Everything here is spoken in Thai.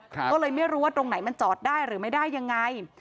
ก็เลยไม่รู้ว่าตรงไหนมันจอดได้หรือไม่ได้ยังไง